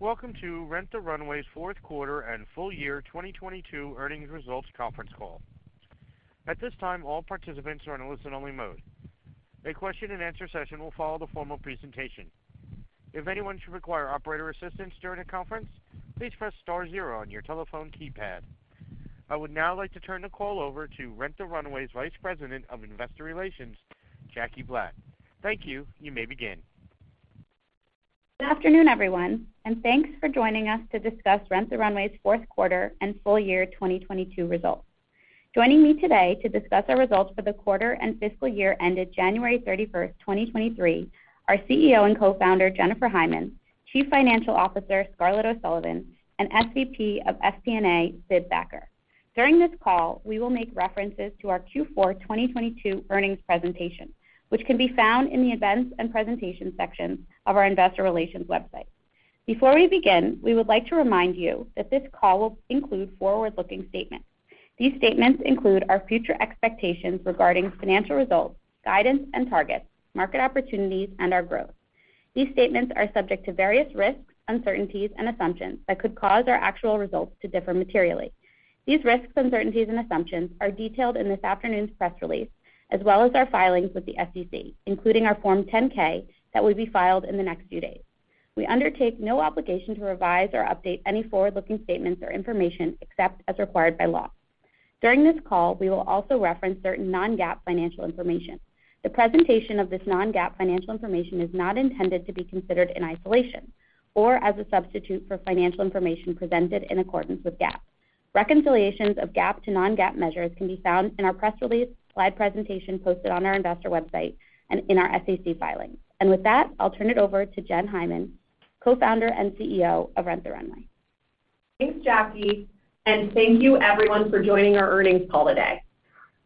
Welcome to Rent the Runway's 4th Quarter and Full Year 2022 Earnings Results Conference Call. At this time, all participants are in a listen only mode. A question and answer session will follow the formal presentation. If anyone should require operator assistance during the conference, please press star 0 on your telephone keypad. I would now like to turn the call over to Rent the Runway's Vice President of Investor Relations, Jackie Blatt. Thank you. You may begin. Good afternoon, everyone. Thanks for joining us to discuss Rent the Runway's fourth quarter and full year 2022 results. Joining me today to discuss our results for the quarter and fiscal year ended January 31st, 2023, are CEO and Co-founder, Jennifer Hyman, Chief Financial Officer, Scarlett O'Sullivan, and SVP of FP&A, Sid Thacker. During this call, we will make references to our Q4 2022 earnings presentation, which can be found in the Events and Presentation section of our investor relations website. Before we begin, we would like to remind you that this call will include forward-looking statements. These statements include our future expectations regarding financial results, guidance and targets, market opportunities, and our growth. These statements are subject to various risks, uncertainties and assumptions that could cause our actual results to differ materially. These risks, uncertainties and assumptions are detailed in this afternoon's press release, as well as our filings with the SEC, including our Form 10-K that will be filed in the next few days. We undertake no obligation to revise or update any forward-looking statements or information except as required by law. During this call, we will also reference certain non-GAAP financial information. The presentation of this non-GAAP financial information is not intended to be considered in isolation or as a substitute for financial information presented in accordance with GAAP. Reconciliations of GAAP to non-GAAP measures can be found in our press release, slide presentation posted on our investor website and in our SEC filings. With that, I'll turn it over to Jennifer Hyman, Co-founder and CEO of Rent the Runway. Thanks, Jackie. Thank you everyone for joining our earnings call today.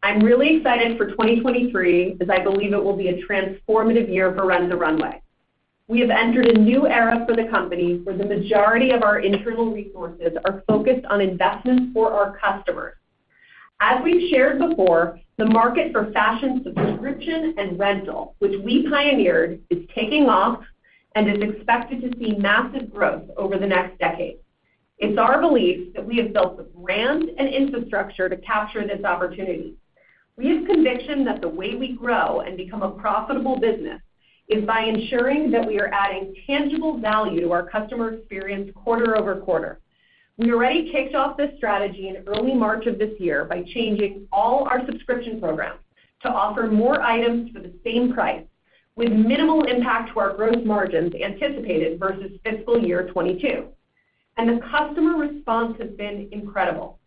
I'm really excited for 2023 as I believe it will be a transformative year for Rent the Runway. We have entered a new era for the company, where the majority of our internal resources are focused on investments for our customers. As we've shared before, the market for fashion subscription and rental, which we pioneered, is taking off and is expected to see massive growth over the next decade. It's our belief that we have built the brand and infrastructure to capture this opportunity. We have conviction that the way we grow and become a profitable business is by ensuring that we are adding tangible value to our customer experience quarter-over-quarter. We already kicked off this strategy in early March of this year by changing all our subscription programs to offer more items for the same price with minimal impact to our gross margins anticipated versus fiscal year 2022. The customer response has been incredible.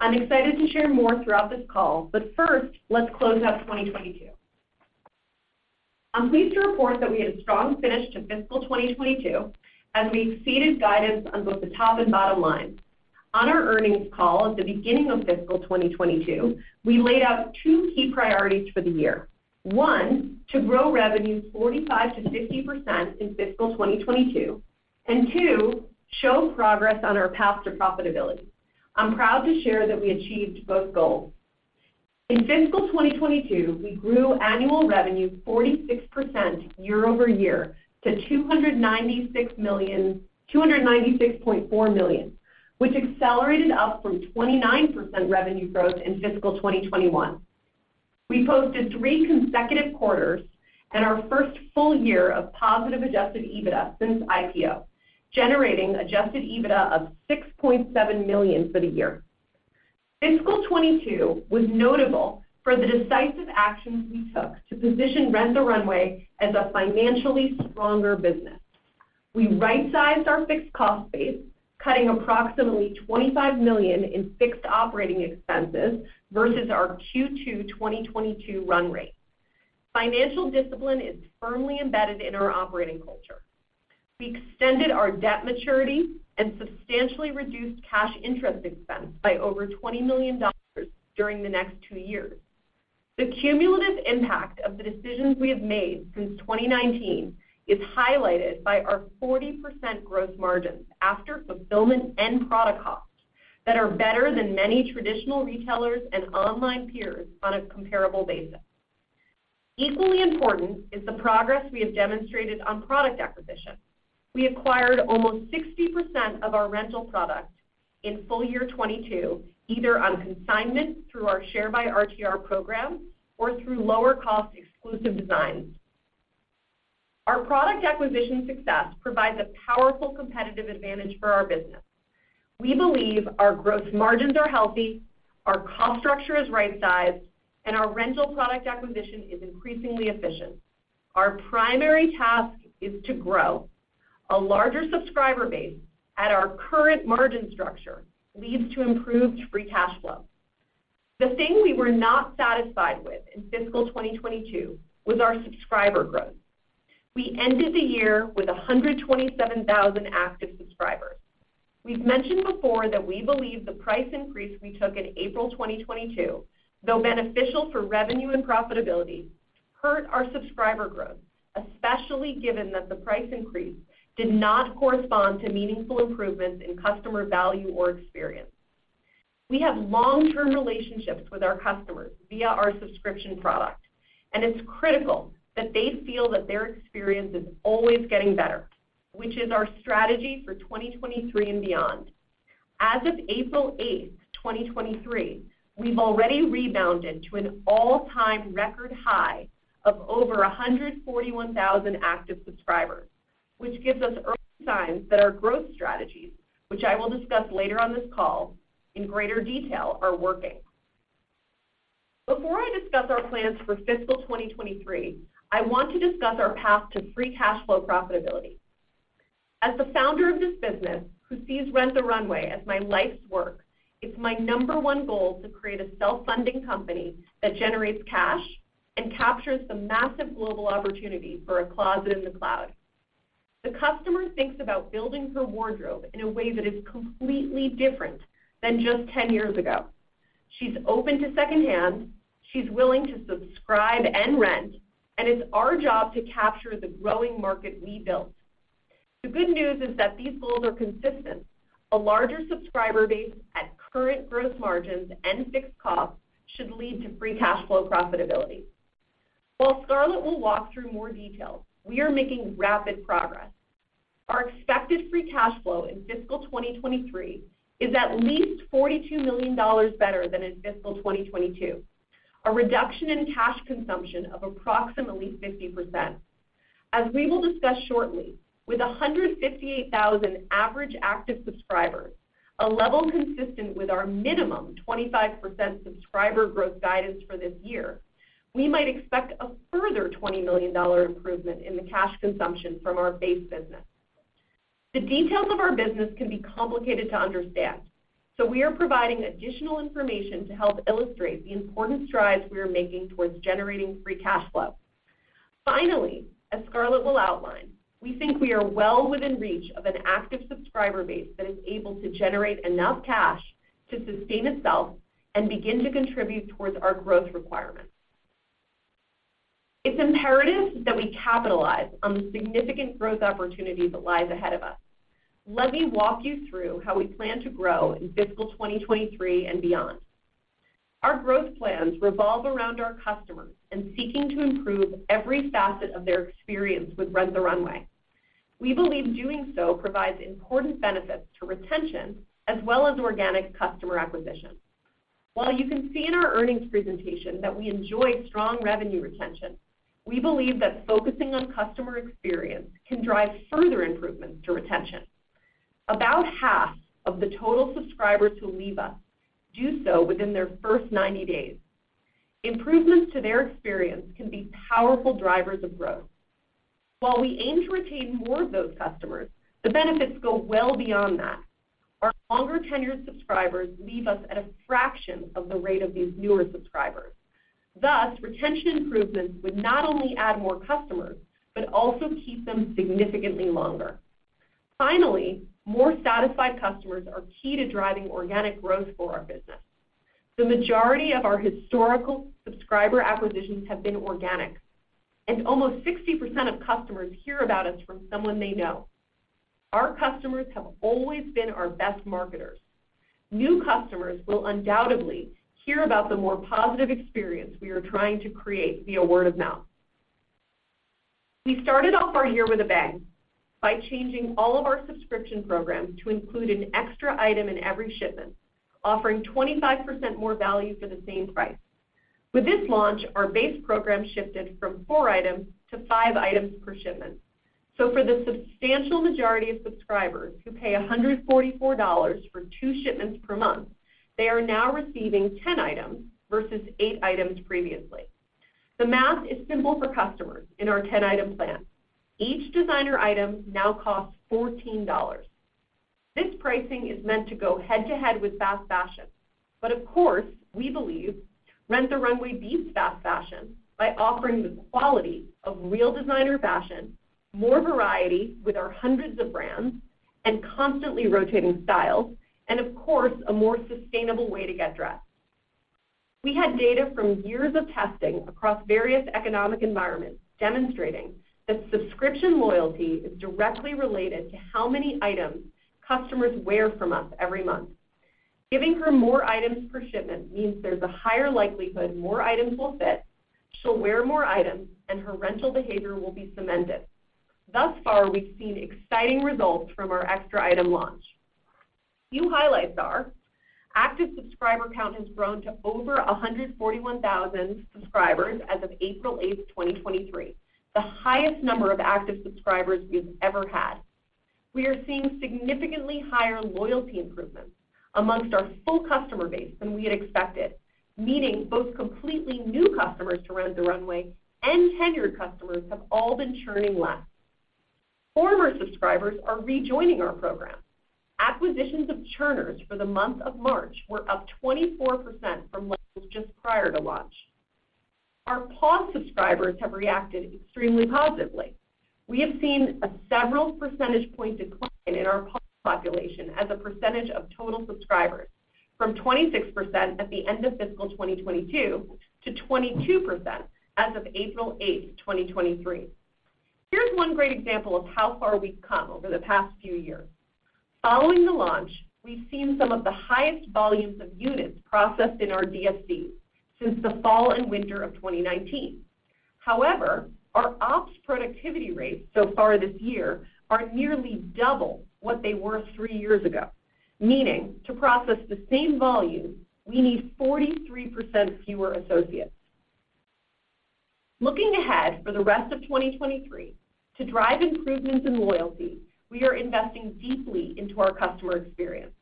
I'm excited to share more throughout this call. First, let's close out 2022. I'm pleased to report that we had a strong finish to fiscal 2022 as we exceeded guidance on both the top and bottom line. On our earnings call at the beginning of fiscal 2022, we laid out two-key priorities for the year. One, to grow revenue 45%–50% in fiscal 2022. Two, show progress on our path to profitability. I'm proud to share that we achieved both goals. In fiscal 2022, we grew annual revenue 46% year-over-year to $296.4 million, which accelerated up from 29% revenue growth in fiscal 2021. We posted three consecutive quarters and our first full year of positive Adjusted EBITDA since IPO, generating Adjusted EBITDA of $6.7 million for the year. Fiscal 2022 was notable for the decisive actions we took to position Rent the Runway as a financially stronger business. We right-sized our fixed cost base, cutting approximately $25 million in fixed operating expenses versus our Q2 2022 run rate. Financial discipline is firmly embedded in our operating culture. We extended our debt maturity and substantially reduced cash interest expense by over $20 million during the next two years. The cumulative impact of the decisions we have made since 2019 is highlighted by our 40% gross margins after fulfillment and product costs that are better than many traditional retailers and online peers on a comparable basis. Equally important is the progress we have demonstrated on product acquisition. We acquired almost 60% of our rental product in full year 2022, either on consignment through our Share by RTR program or through lower cost exclusive designs. Our product acquisition success provides a powerful competitive advantage for our business. We believe our gross margins are healthy, our cost structure is right-sized, and our rental product acquisition is increasingly efficient. Our primary task is to grow. A larger subscriber base at our current margin structure leads to improved free cash flow. The thing we were not satisfied with in fiscal 2022 was our subscriber growth. We ended the year with 127,000 active subscribers. We've mentioned before that we believe the price increase we took in April 2022, though beneficial for revenue and profitability, hurt our subscriber growth, especially given that the price increase did not correspond to meaningful improvements in customer value or experience. We have long-term relationships with our customers via our subscription product, and it's critical that they feel that their experience is always getting better, which is our strategy for 2023 and beyond. As of April eighth, 2023, we've already rebounded to an all-time record high of over 141,000 active subscribers, which gives us early signs that our growth strategies, which I will discuss later on this call in greater detail, are working. Before I discuss our plans for fiscal 2023, I want to discuss our path to free cash flow profitability. As the founder of this business who sees Rent the Runway as my life's work, it's my number 1 goal to create a self-funding company that generates cash and captures the massive global opportunity for a Closet in the Cloud. The customer thinks about building her wardrobe in a way that is completely different than just 10 years ago. She's open to secondhand, she's willing to subscribe and rent. It's our job to capture the growing market we built. The good news is that these goals are consistent. A larger subscriber base at current growth margins and fixed costs should lead to free cash flow profitability. While Scarlett will walk through more details, we are making rapid progress. Our expected free cash flow in fiscal 2023 is at least $42 million better than in fiscal 2022, a reduction in cash consumption of approximately 50%. We will discuss shortly, with 158,000 average active subscribers, a level consistent with our minimum 25% subscriber growth guidance for this year, we might expect a further $20 million improvement in the cash consumption from our base business. The details of our business can be complicated to understand, so we are providing additional information to help illustrate the important strides we are making towards generating free cash flow. Finally, as Scarlett will outline, we think we are well within reach of an active subscriber base that is able to generate enough cash to sustain itself and begin to contribute towards our growth requirements. It's imperative that we capitalize on the significant growth opportunity that lies ahead of us. Let me walk you through how we plan to grow in fiscal 2023 and beyond. Our growth plans revolve around our customers and seeking to improve every facet of their experience with Rent the Runway. We believe doing so provides important benefits to retention as well as organic customer acquisition. While you can see in our earnings presentation that we enjoy strong revenue retention, we believe that focusing on customer experience can drive further improvements to retention. About half of the total subscribers who leave us do so within their first 90 days. Improvements to their experience can be powerful drivers of growth. While we aim to retain more of those customers, the benefits go well beyond that. Our longer-tenured subscribers leave us at a fraction of the rate of these newer subscribers. Thus, retention improvements would not only add more customers but also keep them significantly longer. More satisfied customers are key to driving organic growth for our business. The majority of our historical subscriber acquisitions have been organic. Almost 60% of customers hear about us from someone they know. Our customers have always been our best marketers. New customers will undoubtedly hear about the more positive experience we are trying to create via word of mouth. We started off our year with a bang by changing all of our subscription programs to include an extra item in every shipment, offering 25% more value for the same price. With this launch, our base program shifted from four items to five items per shipment. For the substantial majority of subscribers who pay $144 for two shipments per month, they are now receiving 10 items versus eight items previously. The math is simple for customers in our 10-item plan. Each designer item now costs $14. This pricing is meant to go head-to-head with fast fashion. Of course, we believe Rent the Runway beats fast fashion by offering the quality of real designer fashion, more variety with our hundreds of brands and constantly rotating styles, and of course, a more sustainable way to get dressed. We had data from years of testing across various economic environments demonstrating that subscription loyalty is directly related to how many items customers wear from us every month. Giving her more items per shipment means there's a higher likelihood more items will fit, she'll wear more items, and her rental behavior will be cemented. Thus far, we've seen exciting results from our extra item launch. A few highlights are: active subscriber count has grown to over 141,000 subscribers as of April 8th, 2023, the highest number of active subscribers we've ever had. We are seeing significantly higher loyalty improvements amongst our full customer base than we had expected, meaning both completely new customers to Rent the Runway and tenured customers have all been churning less. Former subscribers are rejoining our program. Acquisitions of churners for the month of March were up 24% from levels just prior to launch. Our pause subscribers have reacted extremely positively. We have seen a several percentage point decline in our pause population as a percentage of total subscribers from 26% at the end of fiscal 2022 to 22% as of April 8, 2023. Here's one great example of how far we've come over the past few years. Following the launch, we've seen some of the highest volumes of units processed in our DFCs since the fall and winter of 2019. However, our ops productivity rates so far this year are nearly double what they were three years ago, meaning to process the same volume, we need 43% fewer associates. Looking ahead for the rest of 2023, to drive improvements in loyalty, we are investing deeply into our customer experience.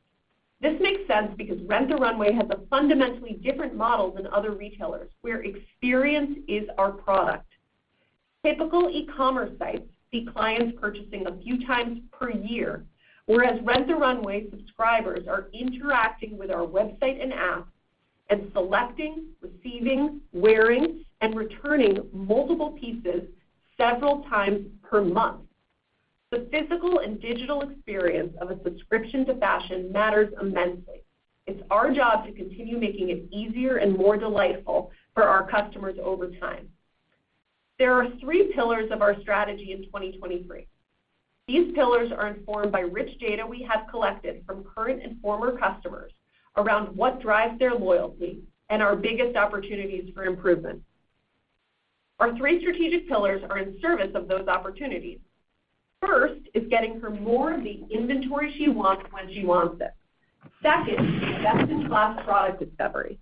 This makes sense because Rent the Runway has a fundamentally different model than other retailers, where experience is our product. Typical e-commerce sites see clients purchasing a few times per year, whereas Rent the Runway subscribers are interacting with our website and app and selecting, receiving, wearing, and returning multiple pieces several times per month. The physical and digital experience of a subscription to fashion matters immensely. It's our job to continue making it easier and more delightful for our customers over time. There are three pillars of our strategy in 2023. These pillars are informed by rich data we have collected from current and former customers around what drives their loyalty and our biggest opportunities for improvement. Our three strategic pillars are in service of those opportunities. First is getting her more of the inventory she wants when she wants it. Second, best-in-class product discovery.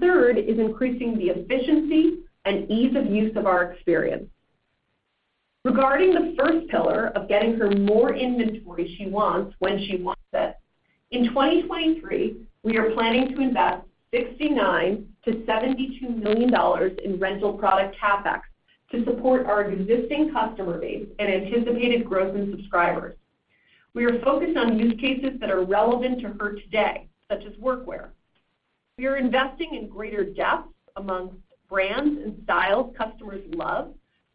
Third is increasing the efficiency and ease of use of our experience. Regarding the first pillar of getting her more inventory she wants when she wants it, in 2023, we are planning to invest $69–$72 million in rental product CapEx to support our existing customer base and anticipated growth in subscribers. We are focused on use cases that are relevant to her today, such as workwear. We are investing in greater depth amongst brands and styles customers love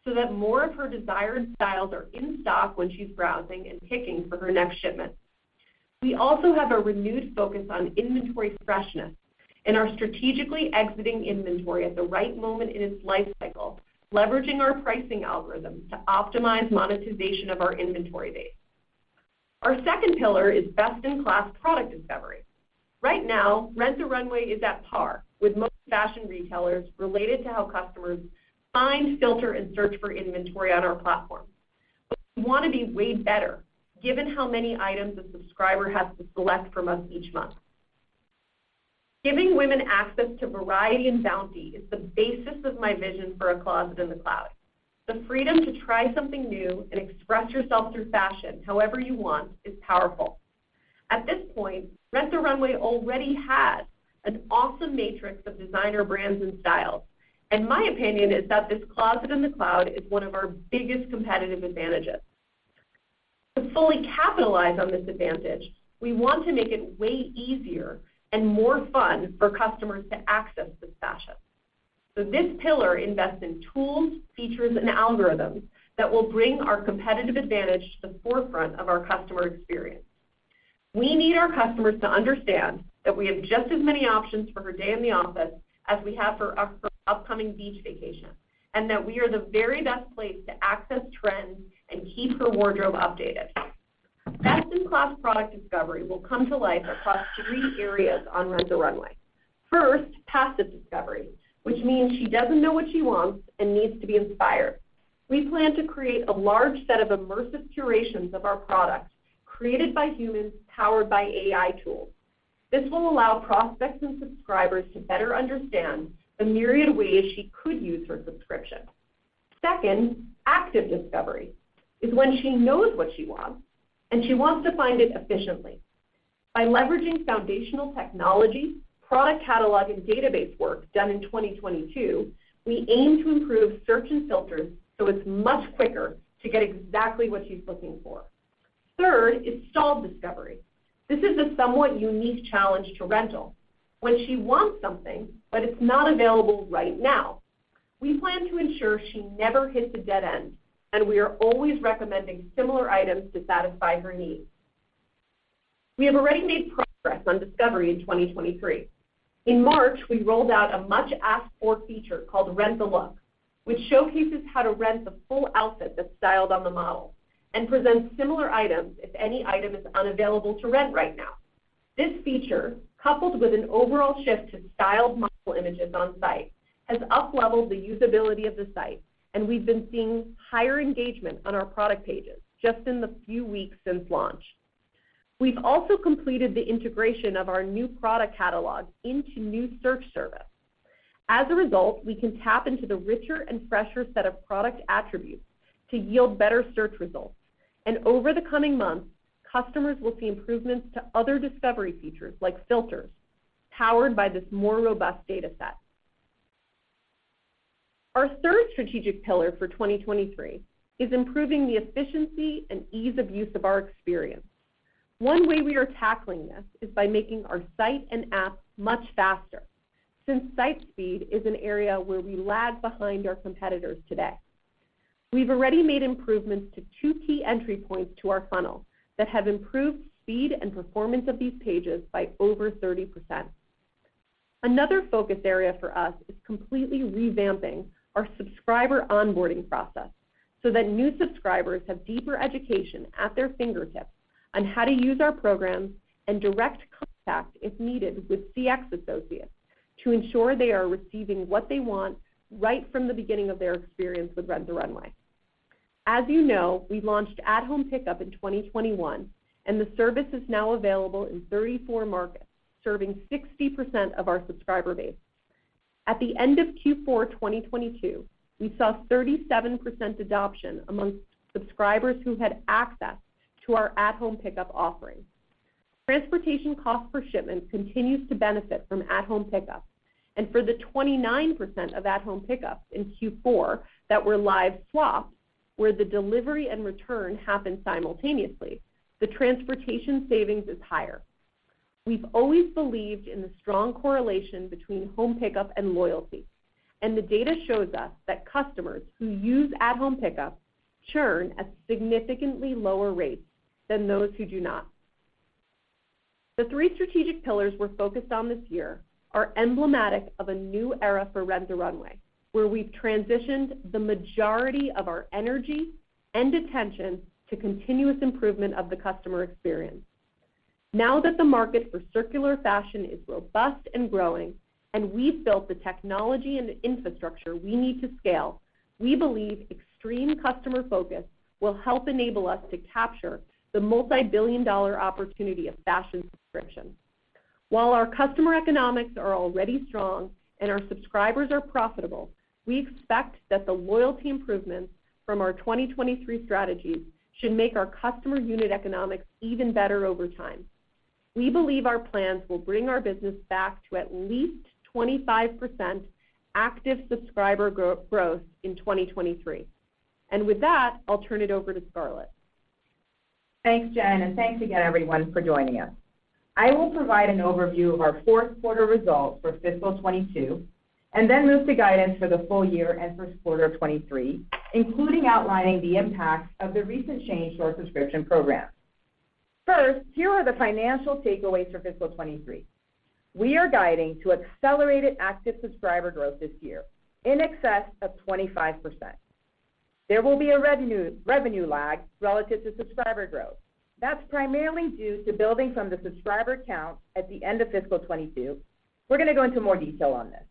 so that more of her desired styles are in stock when she's browsing and picking for her next shipment. We also have a renewed focus on inventory freshness and are strategically exiting inventory at the right moment in its life cycle, leveraging our pricing algorithms to optimize monetization of our inventory base. Our second pillar is best-in-class product discovery. Right now, Rent the Runway is at par with most fashion retailers related to how customers find, filter, and search for inventory on our platform. We want to be way better given how many items a subscriber has to select from us each month. Giving women access to variety and bounty is the basis of my vision for a Closet in the Cloud. The freedom to try something new and express yourself through fashion however you want is powerful. At this point, Rent the Runway already has an awesome matrix of designer brands and styles, and my opinion is that this Closet in the Cloud is one of our biggest competitive advantages. This pillar invests in tools, features, and algorithms that will bring our competitive advantage to the forefront of our customer experience. We need our customers to understand that we have just as many options for her day in the office as we have for her upcoming beach vacation, and that we are the very best place to access trends and keep her wardrobe updated. Best-in-class product discovery will come to life across three areas on Rent the Runway. First, passive discovery, which means she doesn't know what she wants and needs to be inspired. We plan to create a large set of immersive curations of our product, created by humans, powered by AI tools. This will allow prospects and subscribers to better understand the myriad ways she could use her subscription. Second, active discovery is when she knows what she wants, and she wants to find it efficiently. By leveraging foundational technology, product catalog, and database work done in 2022, we aim to improve search and filters so it's much quicker to get exactly what she's looking for. Third is stalled discovery. This is a somewhat unique challenge to rental. When she wants something, but it's not available right now, we plan to ensure she never hits a dead end, and we are always recommending similar items to satisfy her needs. We have already made progress on discovery in 2023. In March, we rolled out a much-asked-for feature called Rent the Look, which showcases how to rent the full outfit that's styled on the model and presents similar items if any item is unavailable to rent right now. Over the coming months, customers will see improvements to other discovery features like filters powered by this more robust data set. This feature, coupled with an overall shift to styled model images on site, has upleveled the usability of the site, and we've been seeing higher engagement on our product pages just in the few weeks since launch. We've also completed the integration of our new product catalog into new search service. As a result, we can tap into the richer and fresher set of product attributes to yield better search results. Our third strategic pillar for 2023 is improving the efficiency and ease of use of our experience. One way we are tackling this is by making our site and app much faster since site speed is an area where we lag behind our competitors today. We've already made improvements to two-key entry points to our funnel that have improved speed and performance of these pages by over 30%. Another focus area for us is completely revamping our subscriber onboarding process, so that new subscribers have deeper education at their fingertips on how to use our programs and direct contact, if needed, with CX associates to ensure they are receiving what they want right from the beginning of their experience with Rent the Runway. As you know, we launched at-home pickup in 2021, and the service is now available in 34 markets, serving 60% of our subscriber base. At the end of Q4 2022, we saw 37% adoption amongst subscribers who had access to our at-home pickup offerings. Transportation cost per shipment continues to benefit from at-home pickup. For the 29% of at-home pickup in Q4 that were live swap, where the delivery and return happened simultaneously, the transportation savings is higher. We've always believed in the strong correlation between home pickup and loyalty, and the data shows us that customers who use at-home pickup churn at significantly lower rates than those who do not. The three strategic pillars we're focused on this year are emblematic of a new era for Rent the Runway, where we've transitioned the majority of our energy and attention to continuous improvement of the customer experience. Now that the market for circular fashion is robust and growing, and we've built the technology and infrastructure we need to scale, we believe extreme customer focus will help enable us to capture the multi-billion dollar opportunity of fashion subscription. While our customer economics are already strong and our subscribers are profitable, we expect that the loyalty improvements from our 2023 strategies should make our customer unit economics even better over time. We believe our plans will bring our business back to at least 25% active subscriber growth in 2023. With that, I'll turn it over to Scarlett. Thanks, Jen, and thanks again everyone for joining us. I will provide an overview of our fourth quarter results for fiscal 2022, then move to guidance for the full year and first quarter of 2023, including outlining the impacts of the recent change to our subscription program. First, here are the financial takeaways for fiscal 2023. We are guiding to accelerated active subscriber growth this year in excess of 25%. There will be a revenue lag relative to subscriber growth. That's primarily due to building from the subscriber count at the end of fiscal 2022. We're gonna go into more detail on this.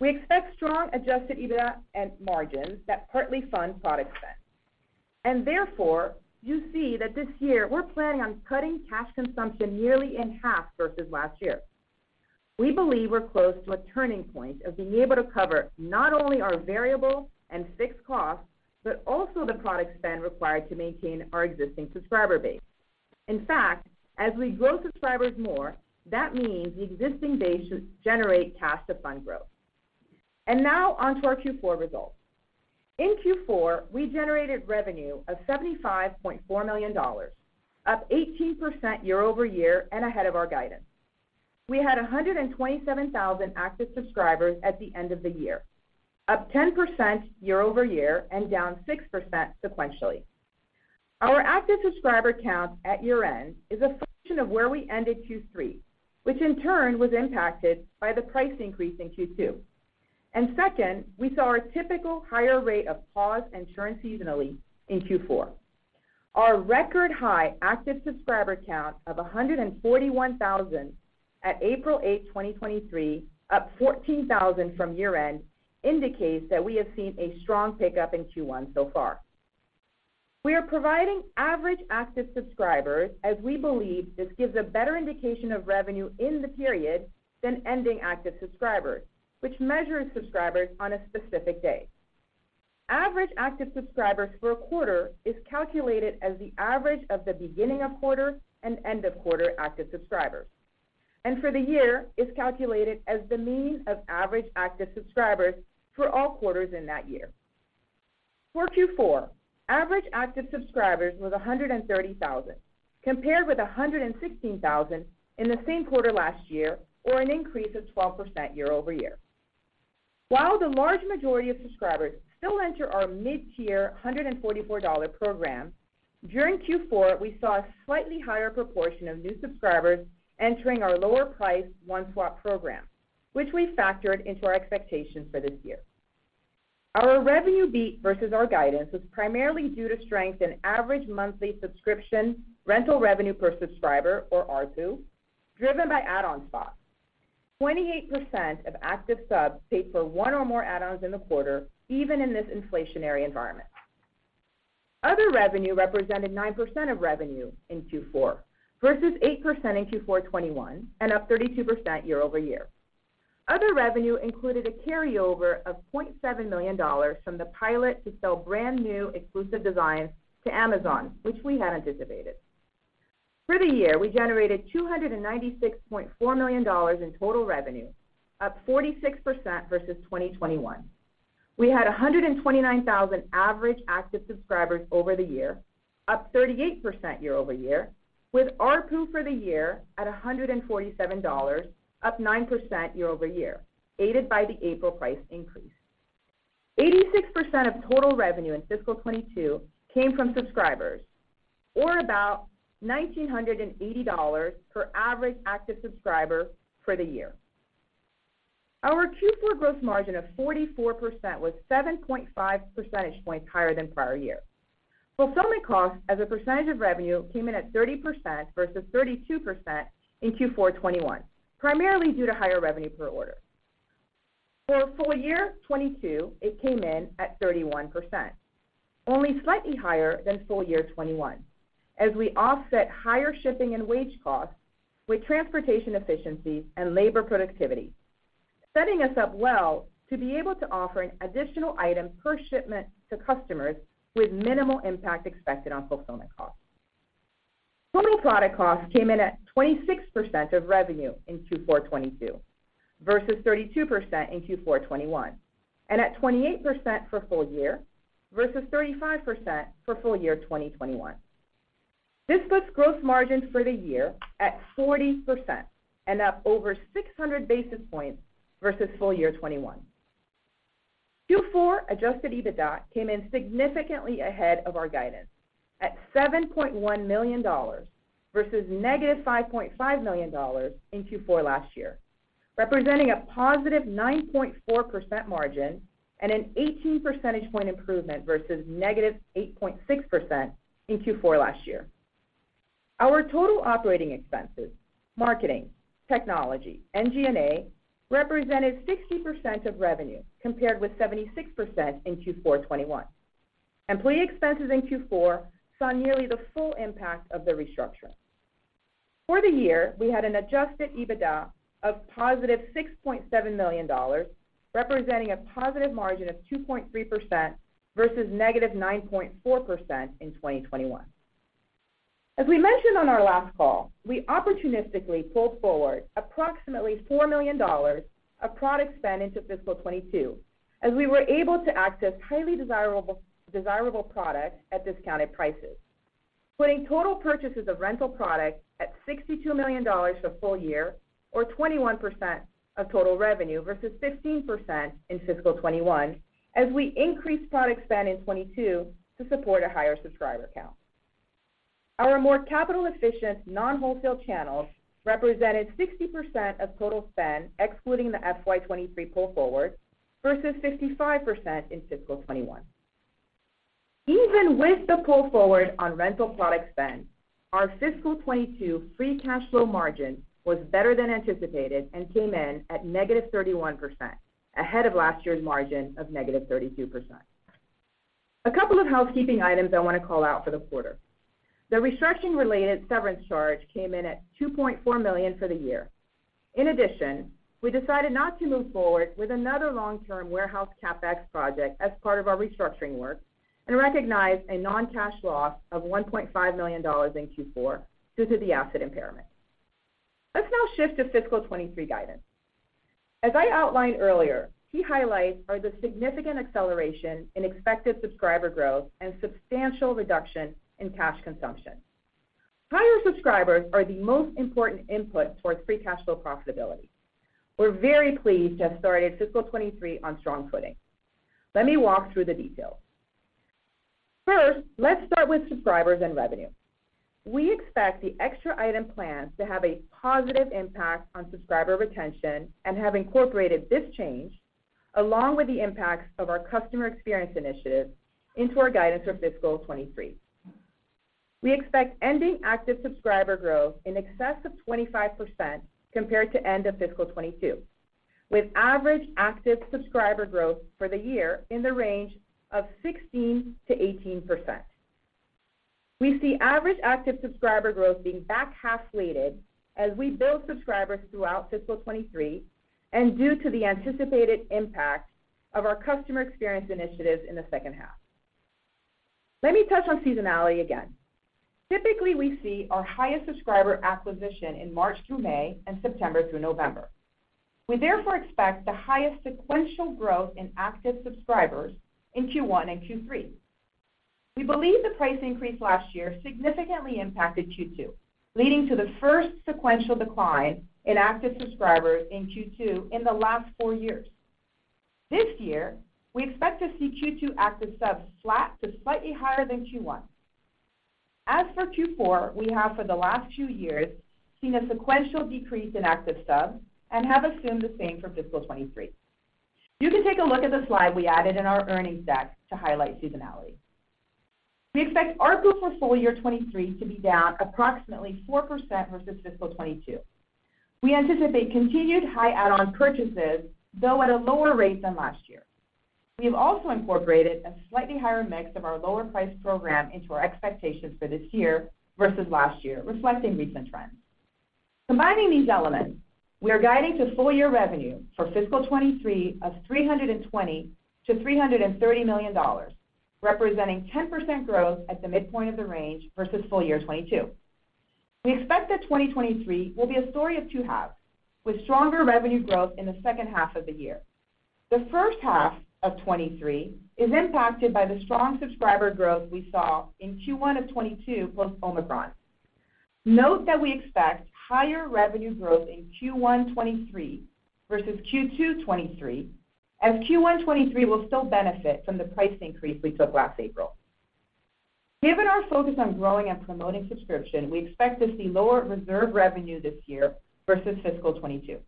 We expect strong Adjusted EBITDA and margins that partly fund product spend. Therefore, you see that this year, we're planning on cutting cash consumption nearly in half versus last year. We believe we're close to a turning point of being able to cover not only our variable and fixed costs, but also the product spend required to maintain our existing subscriber base. In fact, as we grow subscribers more, that means the existing base should generate cash to fund growth. Now on to our Q4 results. In Q4, we generated revenue of $75.4 million, up 18% year-over-year and ahead of our guidance. We had 127,000 active subscribers at the end of the year, up 10% year-over-year and down 6% sequentially. Our active subscriber count at year-end is a function of where we ended Q3, which in turn was impacted by the price increase in Q2. Second, we saw a typical higher rate of pause and churn seasonally in Q4. Our record high active subscriber count of 141,000 at April 8, 2023, up 14,000 from year-end, indicates that we have seen a strong pickup in Q1 so far. We are providing average active subscribers as we believe this gives a better indication of revenue in the period than ending active subscribers, which measures subscribers on a specific day. Average active subscribers for a quarter is calculated as the average of the beginning of quarter and end of quarter active subscribers. For the year, is calculated as the mean of average active subscribers for all quarters in that year. For Q4, average active subscribers was 130,000, compared with 116,000 in the same quarter last year or an increase of 12% year-over-year. While the large majority of subscribers still enter our mid-tier $144 program, during Q4, we saw a slightly higher proportion of new subscribers entering our lower priced One-Swap program, which we factored into our expectations for this year. Our revenue beat versus our guidance was primarily due to strength in average monthly subscription rental revenue per subscriber, or ARPU, driven by add-on spots. 28% of active subs paid for one or more add-ons in the quarter, even in this inflationary environment. Other revenue represented 9% of revenue in Q4, versus 8% in Q4 2021, and up 32% year-over-year. Other revenue included a carryover of $0.7 million from the pilot to sell brand new exclusive designs to Amazon, which we had anticipated. For the year, we generated $296.4 million in total revenue, up 46% versus 2021. We had 129,000 average active subscribers over the year, up 38% year-over-year, with ARPU for the year at $147, up 9% year-over-year, aided by the April price increase. 86% of total revenue in fiscal 2022 came from subscribers or about $1,980 per average active subscriber for the year. Our Q4 gross margin of 44% was 7.5 percentage points higher than prior year. Fulfillment costs as a percentage of revenue came in at 30% versus 32% in Q4 2021, primarily due to higher revenue per order. For full year 2022, it came in at 31%, only slightly higher than full year 2021, as we offset higher shipping and wage costs with transportation efficiencies and labor productivity, setting us up well to be able to offer an additional item per shipment to customers with minimal impact expected on fulfillment costs. Total product costs came in at 26% of revenue in Q4 2022 versus 32% in Q4 2021, and at 28% for full year versus 35% for full year 2021. This puts gross margins for the year at 40% and up over 600 basis points versus full year 2021. Adjusted EBITDA came in significantly ahead of our guidance at $7.1 million versus negative $5.5 million in Q4 last year, representing a positive 9.4% margin and an 18 percentage point improvement versus negative 8.6% in Q4 last year. Our total operating expenses, marketing, technology, and G&A, represented 60% of revenue compared with 76% in Q4 2021. Employee expenses in Q4 saw nearly the full impact of the restructuring. For the year, we had an Adjusted EBITDA of positive $6.7 million, representing a positive margin of 2.3% versus negative 9.4% in 2021. As we mentioned on our last call, we opportunistically pulled forward approximately $4 million of product spend into fiscal 2022 as we were able to access highly desirable product at discounted prices, putting total purchases of rental product at $62 million for full year or 21% of total revenue versus 16% in fiscal 2021 as we increased product spend in 2022 to support a higher subscriber count. Our more capital efficient non-wholesale channels represented 60% of total spend, excluding the FY 2023 pull forward, versus 55% in fiscal 2021. Even with the pull forward on rental product spend, our fiscal 2022 free cash flow margin was better than anticipated and came in at -31%, ahead of last year's margin of -32%. A couple of housekeeping items I want to call out for the quarter. The restructuring related severance charge came in at $2.4 million for the year. We decided not to move forward with another long-term warehouse CapEx project as part of our restructuring work and recognized a non-cash loss of $1.5 million in Q4 due to the asset impairment. Let's now shift to fiscal 23 guidance. As I outlined earlier, key highlights are the significant acceleration in expected subscriber growth and substantial reduction in cash consumption. Higher subscribers are the most important input towards free cash flow profitability. We're very pleased to have started fiscal 23 on strong footing. Let me walk through the details. Let's start with subscribers and revenue. We expect the extra item plan to have a positive impact on subscriber retention and have incorporated this change along with the impacts of our customer experience initiative into our guidance for fiscal 23. We expect ending active subscriber growth in excess of 25% compared to end of fiscal 2022, with average active subscriber growth for the year in the range of 16%–18%. We see average active subscriber growth being back half weighted as we build subscribers throughout fiscal 2023 and due to the anticipated impact of our customer experience initiatives in the second half. Let me touch on seasonality again. Typically, we see our highest subscriber acquisition in March through May and September through November. We therefore expect the highest sequential growth in active subscribers in Q1 and Q3. We believe the price increase last year significantly impacted Q2, leading to the first sequential decline in active subscribers in Q2 in the last 4 years. This year, we expect to see Q2 active subs flat to slightly higher than Q1. As for Q4, we have for the last two years seen a sequential decrease in active subs and have assumed the same for fiscal 2023. You can take a look at the slide we added in our earnings deck to highlight seasonality. We expect ARPU for full year 2023 to be down approximately 4% versus fiscal 2022. We anticipate continued high add-on purchases, though at a lower rate than last year. We have also incorporated a slightly higher mix of our lower price program into our expectations for this year versus last year, reflecting recent trends. Combining these elements, we are guiding to full year revenue for fiscal 2023 of $320–$330 million, representing 10% growth at the midpoint of the range versus full year 2022. We expect that 2023 will be a story of two halves, with stronger revenue growth in the second half of the year. The first half of 23 is impacted by the strong subscriber growth we saw in Q1 of 22 post Omicron. Note that we expect higher revenue growth in Q1 23 versus Q2 23, as Q1 23 will still benefit from the price increase we took last April. Given our focus on growing and promoting subscription, we expect to see lower reserve revenue this year versus fiscal 22.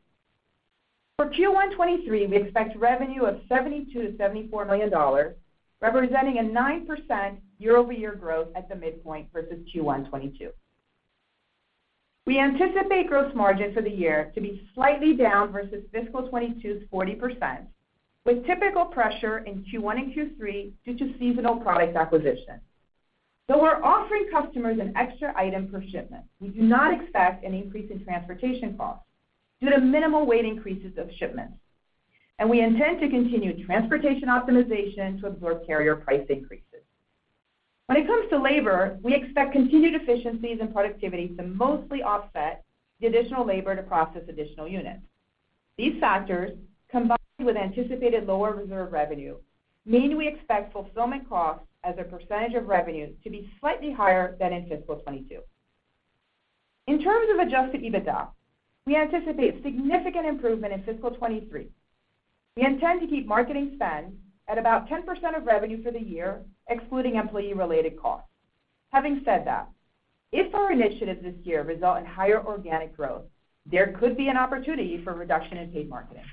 For Q1 23, we expect revenue of $72–$74 million, representing a 9% year-over-year growth at the midpoint versus Q1 22. We anticipate gross margin for the year to be slightly down versus fiscal 22's 40% with typical pressure in Q1 and Q3 due to seasonal product acquisition. Though we're offering customers an extra item per shipment, we do not expect an increase in transportation costs due to minimal weight increases of shipments. We intend to continue transportation optimization to absorb carrier price increases. When it comes to labor, we expect continued efficiencies and productivity to mostly offset the additional labor to process additional units. These factors, combined with anticipated lower reserve revenue, mean we expect fulfillment costs as a percentage of revenue to be slightly higher than in fiscal 2022. In terms of Adjusted EBITDA, we anticipate significant improvement in fiscal 2023. We intend to keep marketing spend at about 10% of revenue for the year, excluding employee-related costs. Having said that, if our initiatives this year result in higher organic growth, there could be an opportunity for a reduction in paid marketing.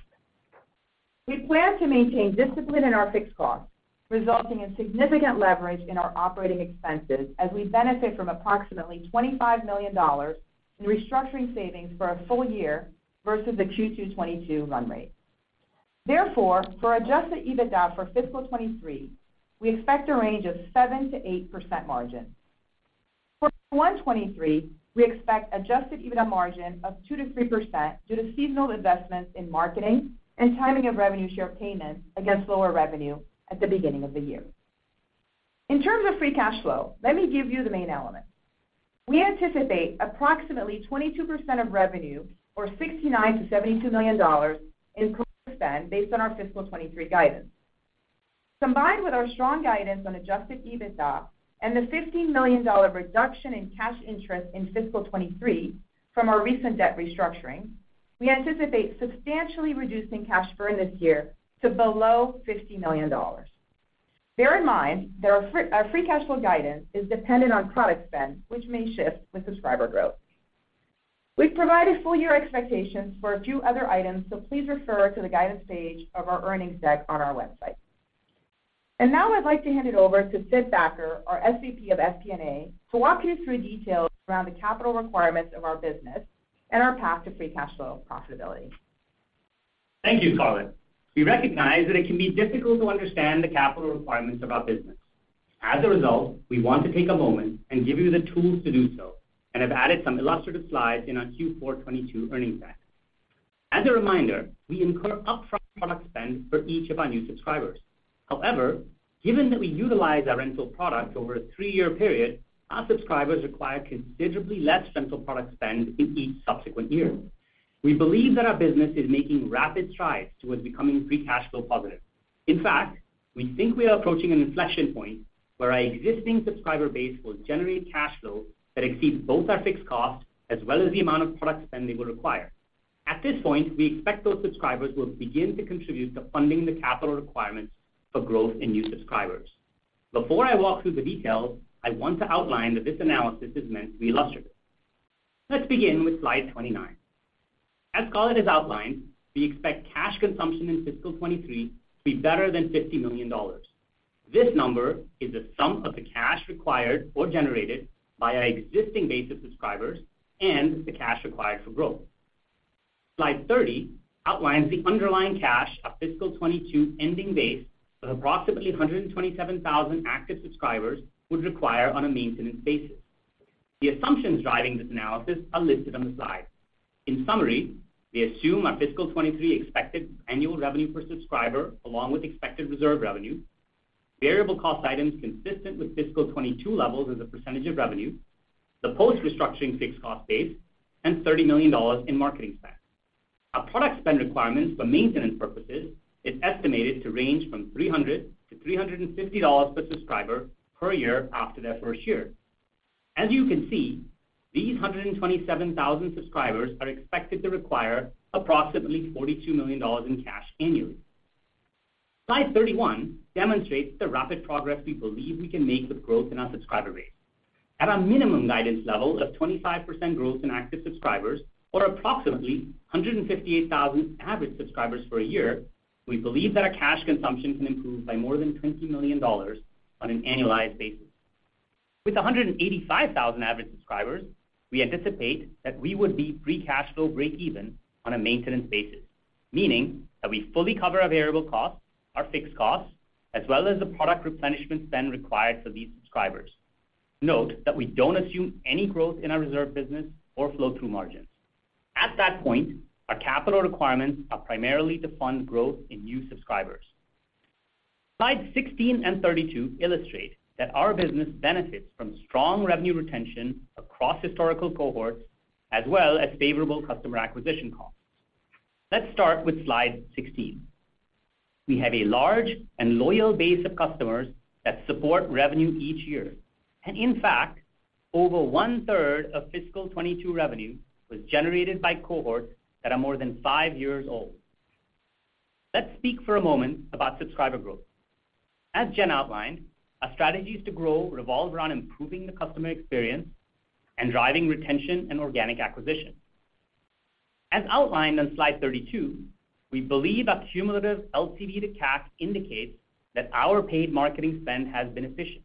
We plan to maintain discipline in our fixed costs, resulting in significant leverage in our operating expenses as we benefit from approximately $25 million in restructuring savings for a full year versus the Q2 2022 run rate. For Adjusted EBITDA for fiscal 2023, we expect a range of 7%–8% margin. For Q1 2023, we expect Adjusted EBITDA margin of 2%–3% due to seasonal investments in marketing and timing of revenue share payments against lower revenue at the beginning of the year. In terms of free cash flow, let me give you the main elements. We anticipate approximately 22% of revenue or $69–$72 million in product spend based on our fiscal 2023 guidance. Combined with our strong guidance on Adjusted EBITDA and the $15 million reduction in cash interest in fiscal 2023 from our recent debt restructuring, we anticipate substantially reducing cash burn this year to below $50 million. Bear in mind that our free cash flow guidance is dependent on product spend, which may shift with subscriber growth. We've provided full year expectations for a few other items, please refer to the guidance page of our earnings deck on our website. Now I'd like to hand it over to Sid Thacker, our SVP of FP&A, to walk you through details around the capital requirements of our business and our path to free cash flow profitability. Thank you, Scarlett. We recognize that it can be difficult to understand the capital requirements of our business. As a result, we want to take a moment and give you the tools to do so and have added some illustrative slides in our Q4 2022 earnings deck. As a reminder, we incur upfront product spend for each of our new subscribers. Given that we utilize our rental product over a three-year period, our subscribers require considerably less central product spend in each subsequent year. We believe that our business is making rapid strides towards becoming free cash flow positive. In fact, we think we are approaching an inflection point where our existing subscriber base will generate cash flow that exceeds both our fixed costs as well as the amount of product spend they will require. At this point, we expect those subscribers will begin to contribute to funding the capital requirements for growth in new subscribers. Before I walk through the details, I want to outline that this analysis is meant to be illustrative. Let's begin with slide 29. As Scarlett has outlined, we expect cash consumption in fiscal 2023 to be better than $50 million. This number is the sum of the cash required or generated by our existing base of subscribers and the cash required for growth. Slide 30 outlines the underlying cash of fiscal 2022's ending base of approximately 127,000 active subscribers would require on a maintenance basis. The assumptions driving this analysis are listed on the slide. In summary, we assume our fiscal 2023 expected annual revenue per subscriber along with expected reserve revenue, variable cost items consistent with fiscal 2022 levels as a percentage of revenue, the post-restructuring fixed cost base, and $30 million in marketing spend. Our product spend requirements for maintenance purposes is estimated to range from $300-$350 per subscriber per year after their first year. As you can see, these 127,000 subscribers are expected to require approximately $42 million in cash annually. Slide 31 demonstrates the rapid progress we believe we can make with growth in our subscriber base. At a minimum guidance level of 25% growth in active subscribers or approximately 158,000 average subscribers per year, we believe that our cash consumption can improve by more than $20 million on an annualized basis. With 185,000 average subscribers, we anticipate that we would be free cash flow breakeven on a maintenance basis, meaning that we fully cover our variable costs, our fixed costs, as well as the product replenishment spend required for these subscribers. Note that we don't assume any growth in our reserve business or flow-through margins. At that point, our capital requirements are primarily to fund growth in new subscribers. Slides 16 and 32 illustrate that our business benefits from strong revenue retention across historical cohorts, as well as favorable customer acquisition costs. Let's start with slide 16. We have a large and loyal base of customers that support revenue each year. In fact, over one-third of fiscal 2022 revenue was generated by cohorts that are more than five years old. Let's speak for a moment about subscriber growth. As Jen outlined, our strategies to grow revolve around improving the customer experience and driving retention and organic acquisition. As outlined on slide 32, we believe our cumulative LTV to cash indicates that our paid marketing spend has been efficient.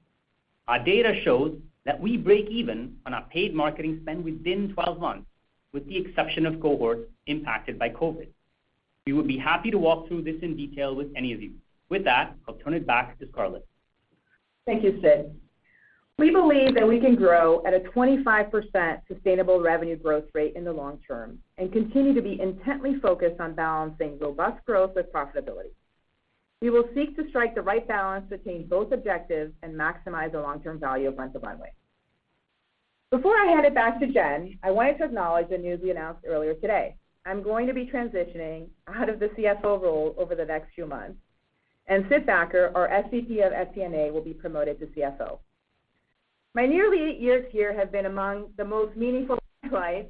Our data shows that we break even on our paid marketing spend within 12 months, with the exception of cohorts impacted by COVID. We would be happy to walk through this in detail with any of you. With that, I'll turn it back to Scarlett. Thank you, Sid. We believe that we can grow at a 25% sustainable revenue growth rate in the long term and continue to be intently focused on balancing robust growth with profitability. We will seek to strike the right balance to attain both objectives and maximize the long-term value of Rent the Runway. Before I hand it back to Jen, I wanted to acknowledge the news we announced earlier today. I'm going to be transitioning out of the CFO role over the next few months, and Sid Thacker, our SVP of FP&A, will be promoted to CFO. My nearly eight years here have been among the most meaningful of my life,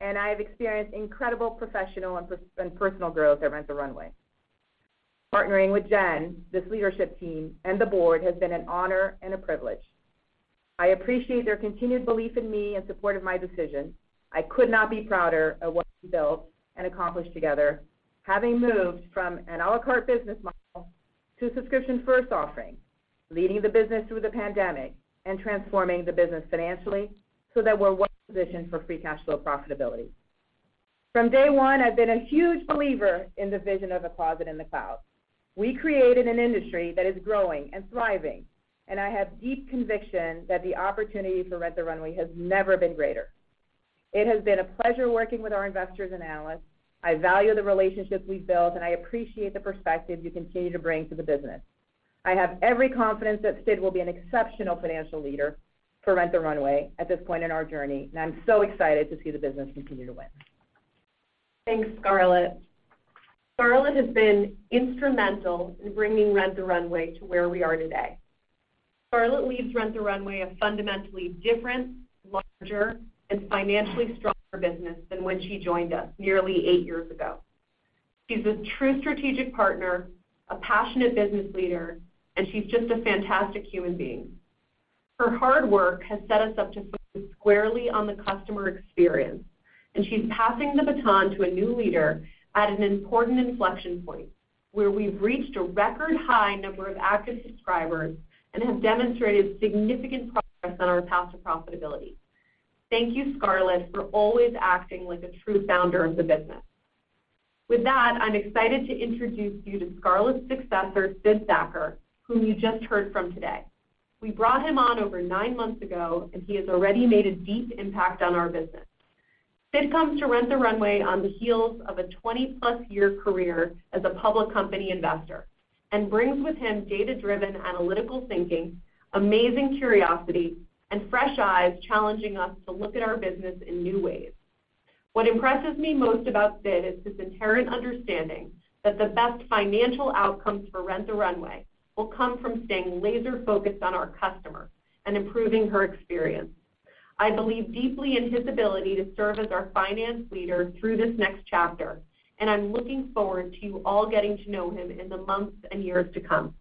and I have experienced incredible professional and personal growth at Rent the Runway. Partnering with Jen, this leadership team, and the board has been an honor and a privilege. I appreciate their continued belief in me and support of my decision. I could not be prouder of what we built and accomplished together, having moved from an à la carte business model to a subscription-first offering, leading the business through the pandemic and transforming the business financially so that we're well-positioned for free cash flow profitability. From day one, I've been a huge believer in the vision of a Closet in the Cloud. We created an industry that is growing and thriving, and I have deep conviction that the opportunity for Rent the Runway has never been greater. It has been a pleasure working with our investors and analysts. I value the relationships we've built, and I appreciate the perspective you continue to bring to the business. I have every confidence that Sid will be an exceptional financial leader for Rent the Runway at this point in our journey, and I'm so excited to see the business continue to win. Thanks, Scarlett. Scarlett has been instrumental in bringing Rent the Runway to where we are today. Scarlett leaves Rent the Runway a fundamentally different, larger, and financially stronger business than when she joined us nearly eight years ago. She's a true strategic partner, a passionate business leader, and she's just a fantastic human being. Her hard work has set us up to focus squarely on the customer experience, and she's passing the baton to a new leader at an important inflection point, where we've reached a record high number of active subscribers and have demonstrated significant progress on our path to profitability. Thank you, Scarlett, for always acting like a true founder of the business. With that, I'm excited to introduce you to Scarlett's successor, Sid Thacker, whom you just heard from today. We brought him on over nine months ago, and he has already made a deep impact on our business. Sid comes to Rent the Runway on the heels of a 20-plus year career as a public company investor and brings with him data-driven analytical thinking, amazing curiosity, and fresh eyes challenging us to look at our business in new ways. What impresses me most about Sid is his inherent understanding that the best financial outcomes for Rent the Runway will come from staying laser-focused on our customer and improving her experience. I believe deeply in his ability to serve as our finance leader through this next chapter, and I'm looking forward to you all getting to know him in the months and years to come.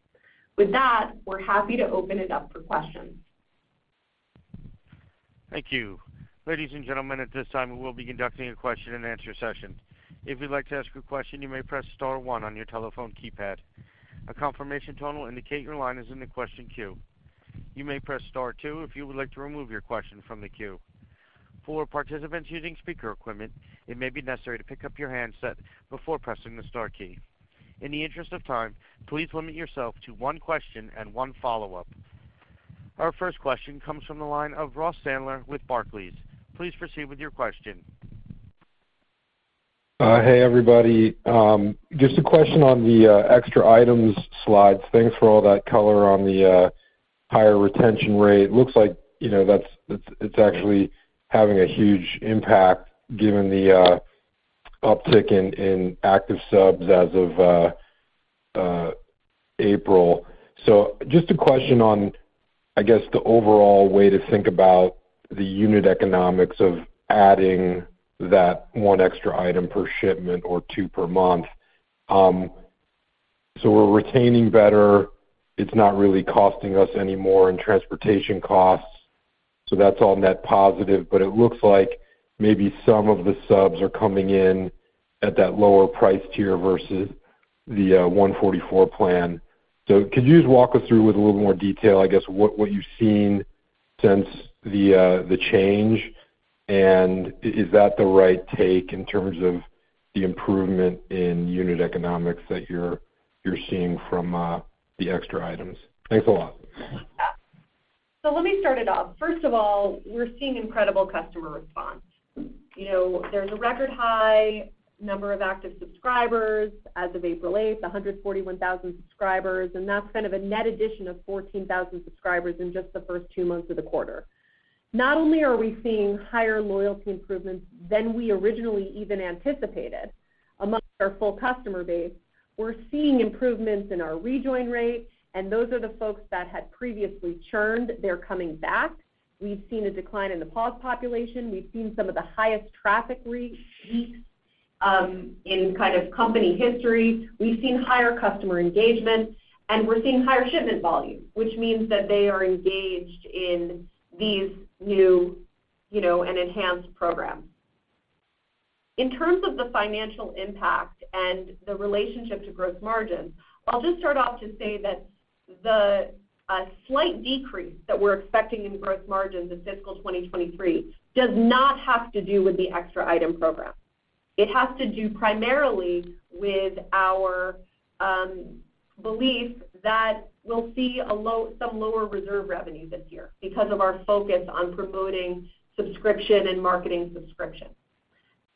With that, we're happy to open it up for questions. Thank you. Ladies and gentlemen, at this time, we will be conducting a question-and-answer session. If you'd like to ask a question, you may press star one on your telephone keypad. A confirmation tone will indicate your line is in the question queue. You may press star two if you would like to remove your question from the queue. For participants using speaker equipment, it may be necessary to pick up your handset before pressing the star key. In the interest of time, please limit yourself to one question and one follow-up. Our first question comes from the line of Ross Sandler with Barclays. Please proceed with your question. Hey, everybody. Just a question on the extra items slides. Thanks for all that color on the higher retention rate. Looks like, you know, it's actually having a huge impact given the uptick in active subs as of April. Just a question on, I guess, the overall way to think about the unit economics of adding that one extra item per shipment or two per month. We're retaining better. It's not really costing us any more in transportation costs, that's all net positive. It looks like maybe some of the subs are coming in at that lower price tier versus the $144 plan. Could you just walk us through with a little more detail, I guess, what you've seen since the change, and is that the right take in terms of the improvement in unit economics that you're seeing from the extra items? Thanks a lot. Let me start it off. First of all, we're seeing incredible customer response. You know, there's a record high number of active subscribers as of April eighth, 141,000 subscribers, that's kind of a net addition of 14,000 subscribers in just the first two months of the quarter. Not only are we seeing higher loyalty improvements than we originally even anticipated amongst our full customer base, we're seeing improvements in our rejoin rate, those are the folks that had previously churned. They're coming back. We've seen a decline in the pause population. We've seen some of the highest traffic peaks, in kind of company history. We've seen higher customer engagement, we're seeing higher shipment volume, which means that they are engaged in these new, you know, enhanced program. In terms of the financial impact and the relationship to gross margin, I'll just start off to say that the slight decrease that we're expecting in gross margins in fiscal 2023 does not have to do with the extra item program. It has to do primarily with our belief that we'll see some lower reserve revenue this year because of our focus on promoting subscription and marketing subscription.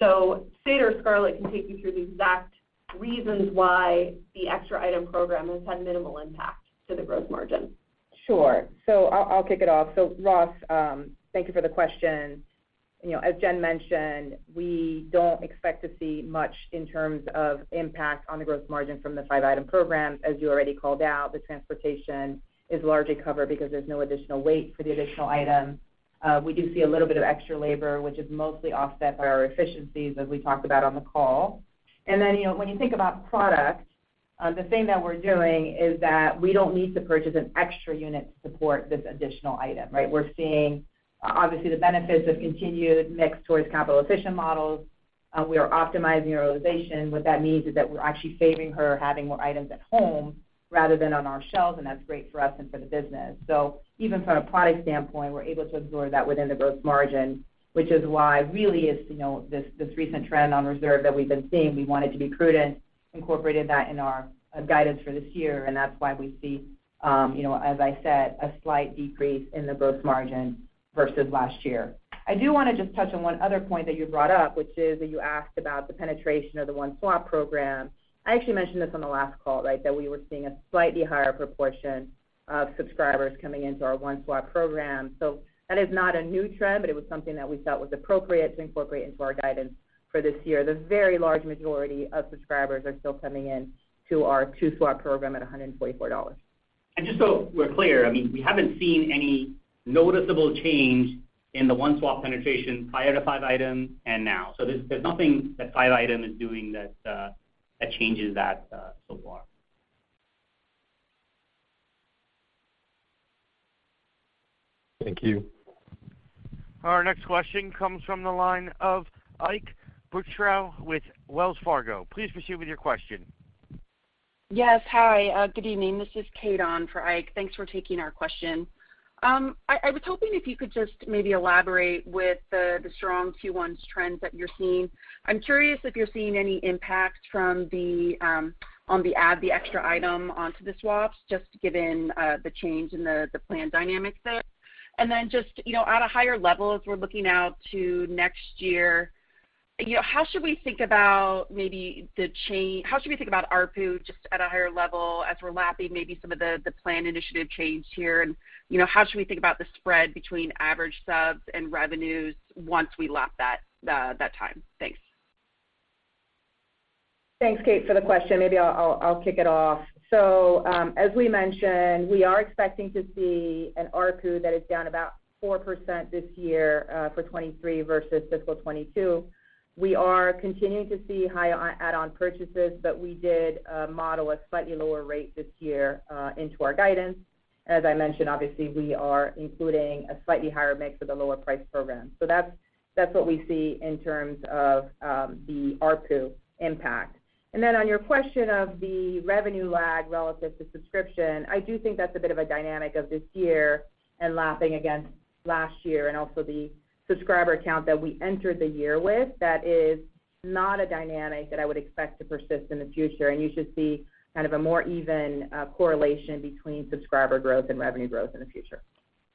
Sid or Scarlett can take you through the exact reasons why the extra item program has had minimal impact to the gross margin. Sure. I'll kick it off. Ross, thank you for the question. You know, as Jen mentioned, we don't expect to see much in terms of impact on the gross margin from the five-item program. As you already called out, the transportation is largely covered because there's no additional weight for the additional item. We do see a little bit of extra labor, which is mostly offset by our efficiencies, as we talked about on the call. You know, when you think about product, the thing that we're doing is that we don't need to purchase an extra unit to support this additional item, right? We're seeing, obviously, the benefits of continued mix towards capital-efficient models. We are optimizing utilization. What that means is that we're actually favoring her having more items at home rather than on our shelves, that's great for us and for the business. Even from a product standpoint, we're able to absorb that within the gross margin, which is why really is, you know, this recent trend on reserve that we've been seeing, we wanted to be prudent, incorporated that in our guidance for this year, that's why we see, you know, as I said, a slight decrease in the gross margin versus last year. I do wanna just touch on one other point that you brought up, which is that you asked about the penetration of the One-Swap Program. I actually mentioned this on the last call, right? We were seeing a slightly higher proportion of subscribers coming into ourOne-Swap program. That is not a new trend, but it was something that we felt was appropriate to incorporate into our guidance for this year. The very large majority of subscribers are still coming in to our Two-Swap program at $144. Just so we're clear, I mean, we haven't seen any noticeable change in the One- Swap penetration prior to 5-item and now. There's nothing that five-item is doing that changes that so far. Thank you. Our next question comes from the line of Ike Boruchow with Wells Fargo. Please proceed with your question. Yes. Hi, good evening. This is Kate on for Ike. Thanks for taking our question. I was hoping if you could just maybe elaborate with the strong Q1's trends that you're seeing. I'm curious if you're seeing any impact from the on the add the extra item onto the swaps, just given the change in the plan dynamics there. Just, you know, at a higher level, as we're looking out to next year, you know, how should we think about ARPU just at a higher level as we're lapping maybe some of the plan initiative change here? You know, how should we think about the spread between average subs and revenues once we lap that time? Thanks. Thanks, Kate, for the question. Maybe I'll kick it off. As we mentioned, we are expecting to see an ARPU that is down about 4% this year for 2023 versus fiscal 2022. We are continuing to see high on add-on purchases, but we did model a slightly lower rate this year into our guidance. As I mentioned, obviously, we are including a slightly higher mix with a lower price program. That's what we see in terms of the ARPU impact. On your question of the revenue lag relative to subscription, I do think that's a bit of a dynamic of this year and lapping against last year and also the subscriber count that we entered the year with. That is not a dynamic that I would expect to persist in the future, and you should see kind of a more even correlation between subscriber growth and revenue growth in the future.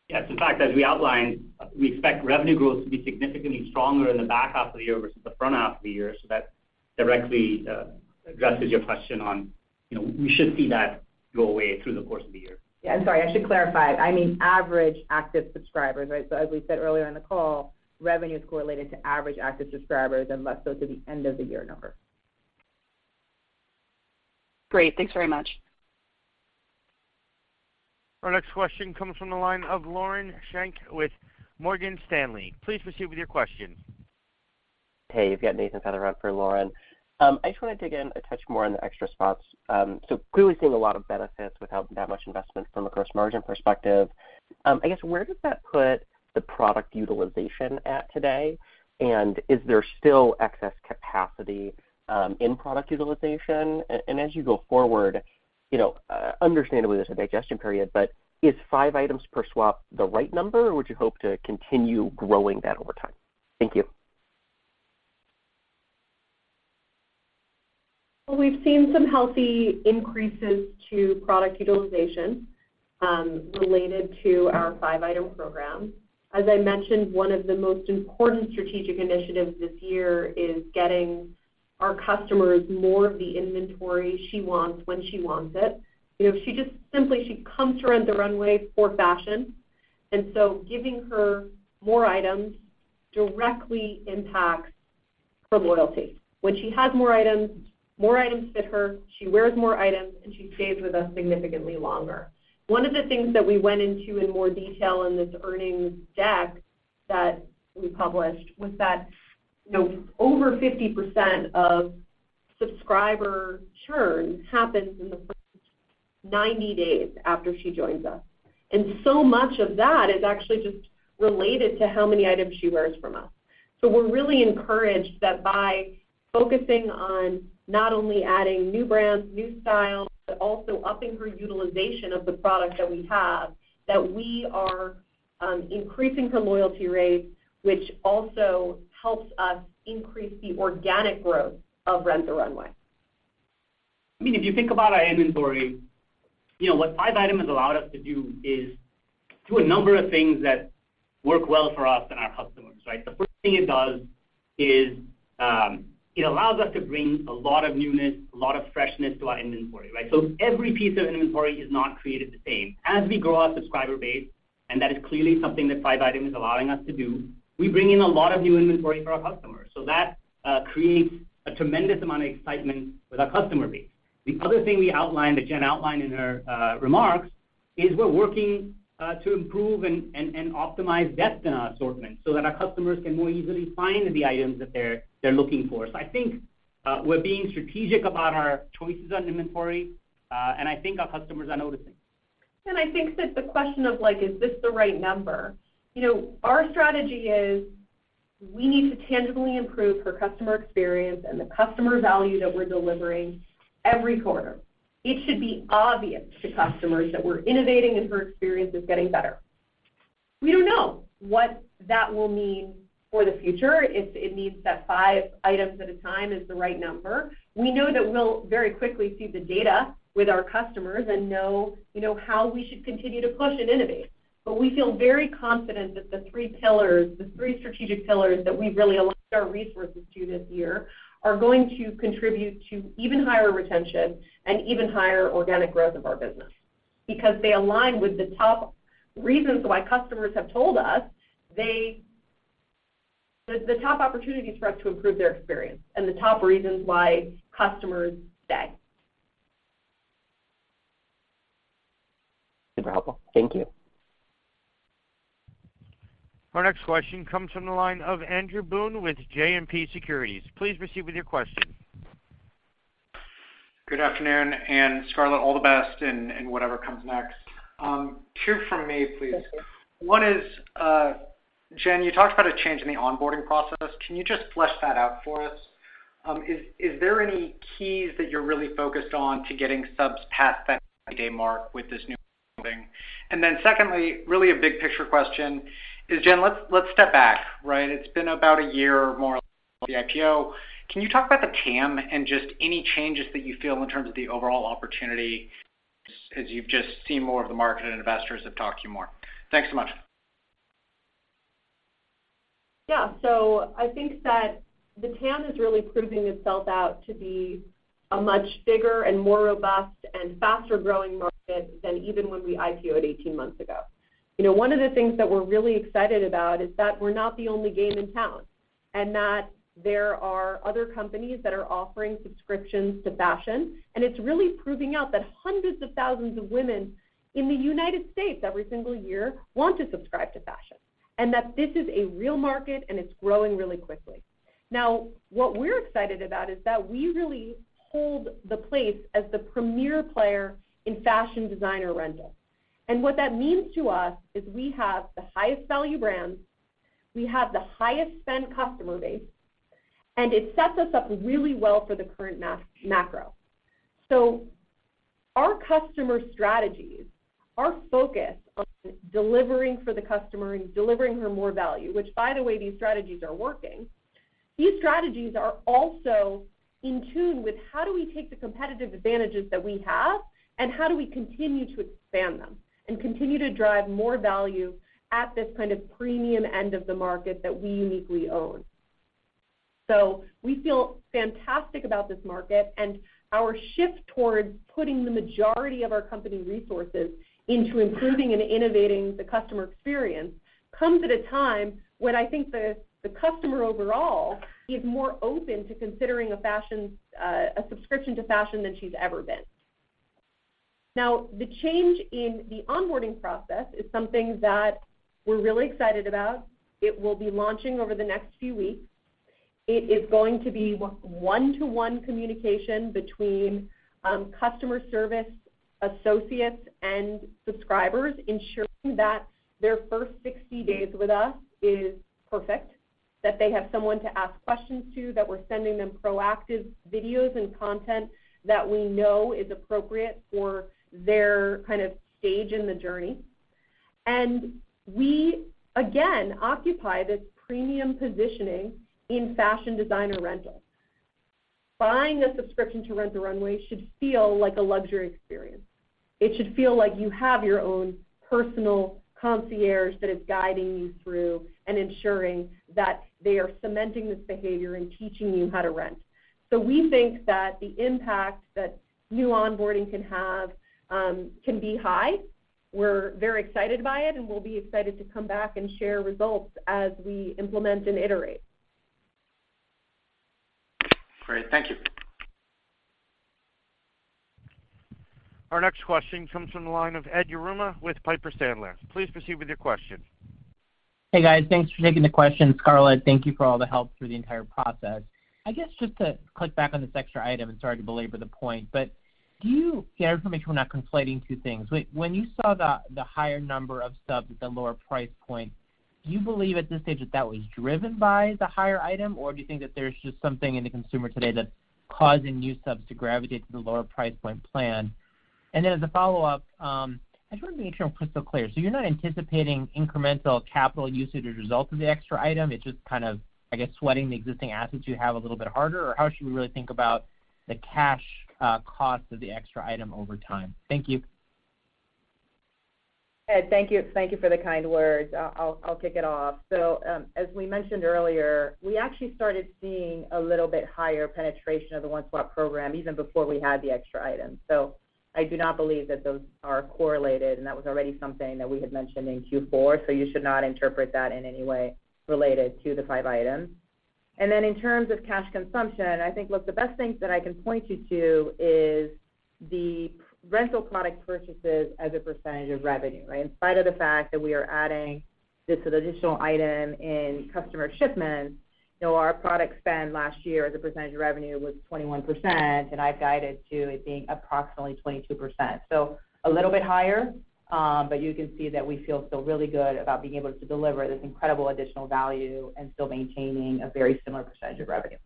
Yes. In fact, as we outlined, we expect revenue growth to be significantly stronger in the back half of the year versus the front half of the year. That directly addresses your question on, you know, we should see that go away through the course of the year. Yeah, I'm sorry. I should clarify. I mean, average active subscribers, right? As we said earlier in the call, revenue is correlated to average active subscribers and less so to the end of the year number. Great. Thanks very much. Our next question comes from the line of Lauren Schenk with Morgan Stanley. Please proceed with your question. Hey, you've got Nathan Feather for Lauren. I just wanted to dig in a touch more on the extra slots. Clearly seeing a lot of benefits without that much investment from a gross margin perspective. I guess, where does that put the product utilization at today? Is there still excess capacity, in product utilization? As you go forward, you know, understandably, there's a digestion period, but is five items per swap the right number, or would you hope to continue growing that over time? Thank you. We've seen some healthy increases to product utilization, related to our five-item program. As I mentioned, one of the most important strategic initiatives this year is getting our customer is more of the inventory she wants when she wants it. You know, she just simply comes to Rent the Runway for fashion. Giving her more items directly impacts her loyalty. When she has more items, more items fit her, she wears more items, and she stays with us significantly longer. One of the things that we went into in more detail in this earnings deck that we published was that, you know, over 50% of subscriber churn happens in the first 90 days after she joins us, and so much of that is actually just related to how many items she wears from us. We're really encouraged that by focusing on not only adding new brands, new styles, but also upping her utilization of the product that we have, that we are increasing her loyalty rates, which also helps us increase the organic growth of Rent the Runway. I mean, if you think about our inventory, you know, what Five Item has allowed us to do is, do a number of things that work well for us and our customers, right? The first thing it does is, it allows us to bring a lot of newness, a lot of freshness to our inventory, right? Every piece of inventory is not created the same. As we grow our subscriber base, and that is clearly something that Five Item is allowing us to do, we bring in a lot of new inventory for our customers. That creates a tremendous amount of excitement with our customer base. The other thing we outlined, that Jen outlined in her remarks, is we're working to improve and optimize depth in our assortment so that our customers can more easily find the items that they're looking for. I think we're being strategic about our choices on inventory, and I think our customers are noticing. I think that the question of, like, is this the right number? You know, our strategy is, we need to tangibly improve her customer experience and the customer value that we're delivering every quarter. It should be obvious to customers that we're innovating and her experience is getting better. We don't know what that will mean for the future, if it means that five items at a time is the right number. We know that we'll very quickly see the data with our customers and know, you know, how we should continue to push and innovate. We feel very confident that the three pillars, the three strategic pillars that we've really aligned our resources to this year are going to contribute to even higher retention and even higher organic growth of our business because they align with the top reasons why customers have told us they-- The top opportunities for us to improve their experience and the top reasons why customers stay. Super helpful. Thank you. Our next question comes from the line of Andrew Boone with JMP Securities. Please proceed with your question. Good afternoon, Scarlett, all the best in whatever comes next. Two from me, please. One is, Jen, you talked about a change in the onboarding process. Can you just flesh that out for us? Is there any keys that you're really focused on to getting subs past that 90-day mark with this new onboarding? Secondly, really a big picture question is, Jen, let's step back, right? It's been about a year or more since the IPO. Can you talk about the TAM and just any changes that you feel in terms of the overall opportunity as you've just seen more of the market and investors have talked to you more? Thanks so much. I think that the TAM is really proving itself out to be a much bigger and more robust and faster-growing market than even when we IPO'd 18 months ago. You know, one of the things that we're really excited about is that we're not the only game in town, and that there are other companies that are offering subscriptions to fashion. It's really proving out that hundreds of thousands of women in the United States every single year want to subscribe to fashion, and that this is a real market, and it's growing really quickly. What we're excited about is that we really hold the place as the premier player in fashion designer rental. What that means to us is we have the highest value brands, we have the highest spend customer base, and it sets us up really well for the current macro. Our customer strategies are focused on delivering for the customer and delivering her more value, which, by the way, these strategies are working. These strategies are also in tune with: how do we take the competitive advantages that we have, and how do we continue to expand them and continue to drive more value at this kind of premium end of the market that we uniquely own? We feel fantastic about this market and our shift towards putting the majority of our company resources into improving and innovating the customer experience comes at a time when I think the customer overall is more open to considering a fashion, a subscription to fashion than she's ever been. The change in the onboarding process is something that we're really excited about. It will be launching over the next few weeks. It is going to be one-to-one communication between customer service associates and subscribers, ensuring that their first 60 days with us is perfect, that they have someone to ask questions to, that we're sending them proactive videos and content that we know is appropriate for their kind of stage in the journey. We, again, occupy this premium positioning in fashion designer rental. Buying a subscription to Rent the Runway should feel like a luxury experience. It should feel like you have your own personal concierge that is guiding you through and ensuring that they are cementing this behavior and teaching you how to rent. We think that the impact that new onboarding can have, can be high. We're very excited by it, and we'll be excited to come back and share results as we implement and iterate. Great. Thank you. Our next question comes from the line of Ed Yruma with Piper Sandler. Please proceed with your question. Hey, guys. Thanks for taking the questions. Scarlett, thank you for all the help through the entire process. I guess, just to click back on this extra item, and sorry to belabor the point, but just so make sure we're not conflating two things. When you saw the higher number of subs at the lower price point, do you believe at this stage that that was driven by the higher item, or do you think that there's just something in the consumer today that's causing new subs to gravitate to the lower price point plan? As a follow-up, I just wanna make sure I'm crystal clear. You're not anticipating incremental capital usage as a result of the extra item? It's just kind of, I guess, sweating the existing assets you have a little bit harder? How should we really think about the cash, cost of the extra item over time? Thank you. Ed, thank you. Thank you for the kind words. I'll kick it off. As we mentioned earlier, we actually started seeing a little bit higher penetration of the 1 Swap program even before we had the extra item. I do not believe that those are correlated, and that was already something that we had mentioned in Q4, so you should not interpret that in any way related to the five items. In terms of cash consumption, I think, look, the best things that I can point you to is the rental product purchases as a % of revenue, right? In spite of the fact that we are adding just an additional item in customer shipments, you know, our product spend last year as a % of revenue was 21%, and I've guided to it being approximately 22%. A little bit higher, but you can see that we feel still really good about being able to deliver this incredible additional value and still maintaining a very similar percentage of revenue.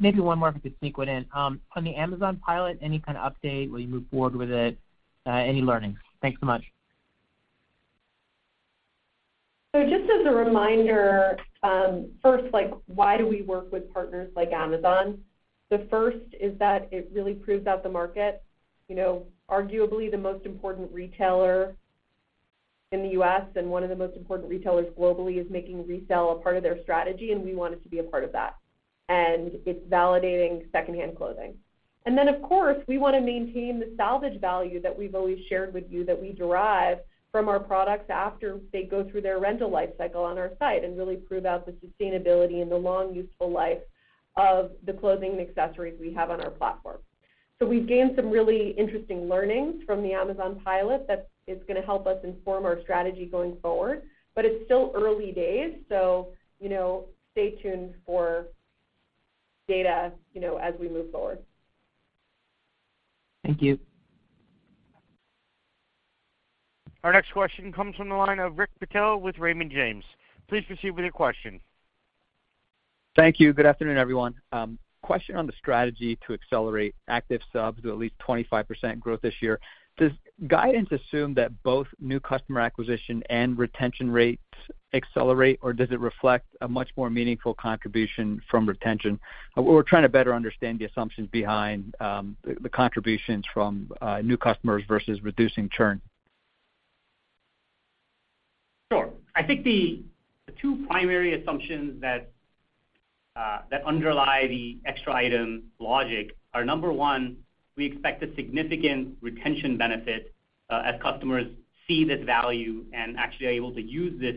Maybe one more if I could sneak one in. On the Amazon pilot, any kind of update? Will you move forward with it? Any learnings? Thanks so much. Just as a reminder, first, like why do we work with partners like Amazon? The first is that it really proves out the market. You know, arguably, the most important retailer in the U.S. and one of the most important retailers globally is making resale a part of their strategy, and we wanted to be a part of that, and it's validating secondhand clothing. Of course, we wanna maintain the salvage value that we've always shared with you that we derive from our products after they go through their rental lifecycle on our site and really prove out the sustainability and the long, useful life of the clothing and accessories we have on our platform. We've gained some really interesting learnings from the Amazon pilot that is gonna help us inform our strategy going forward. It's still early days, so, you know, stay tuned for data, you know, as we move forward. Thank you. Our next question comes from the line of Rick Patel with Raymond James. Please proceed with your question. Thank you. Good afternoon, everyone. Question on the strategy to accelerate active subs to at least 25% growth this year. Does guidance assume that both new customer acquisition and retention rates accelerate, or does it reflect a much more meaningful contribution from retention? We're trying to better understand the assumptions behind the contributions from new customers versus reducing churn. Sure. I think the two primary assumptions that underlie the extra item logic are, number one, we expect a significant retention benefit as customers see this value and actually are able to use this